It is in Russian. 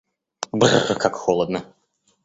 Бр-р, как холодно!